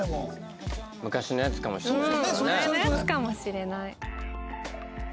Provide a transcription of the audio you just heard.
前のやつかもしれない。